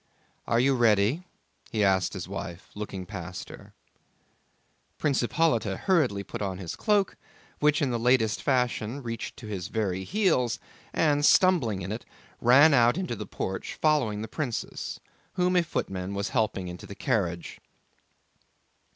"Are you ready?" he asked his wife, looking past her. Prince Hippolyte hurriedly put on his cloak, which in the latest fashion reached to his very heels, and, stumbling in it, ran out into the porch following the princess, whom a footman was helping into the carriage.